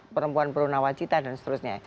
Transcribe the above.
perempuan pro nawajita dan seterusnya